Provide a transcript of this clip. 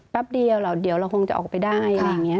แป๊บเดียวเดี๋ยวเราคงจะออกไปได้อะไรอย่างนี้